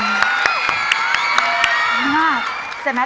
ตราบที่ทุกลมหายใจขึ้นหอดแต่ไอ้นั้น